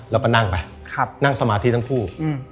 แล้วก็นั่งไปนั่งสมาธิทั้งคู่